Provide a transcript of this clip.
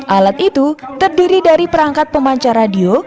alat itu terdiri dari perangkat pemancar radio